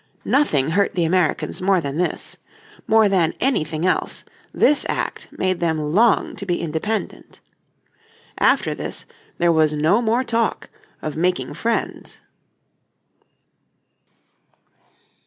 Nothing hurt the Americans more than this; more than anything else this act made them long to be independent. After this there was no more talk of making friends.